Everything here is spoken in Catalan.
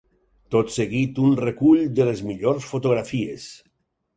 Tot seguit un recull de les millors fotografies.